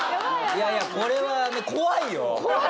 いやいやこれはね怖いよ。